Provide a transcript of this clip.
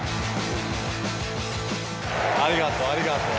ありがとうありがとう。